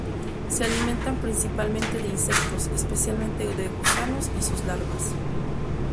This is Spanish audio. Se alimentan principalmente de insectos, especialmente de gusanos y sus larvas.